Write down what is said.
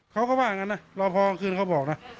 เขาเข้าบ้านกันน่ะรอปภาพที่คืนเขาบอกนะ